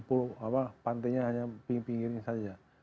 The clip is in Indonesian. pantai nya hanya pinggir pinggir saja